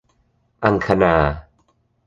อังคณา